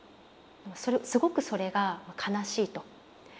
すごくそれが悲しいと。